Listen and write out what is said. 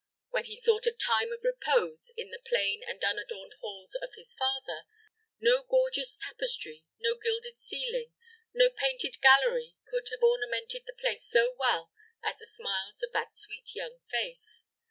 When he sought a time of repose in the plain and unadorned halls of his father, no gorgeous tapestry, no gilded ceiling, no painted gallery could have ornamented the place so well as the smiles of that sweet, young face.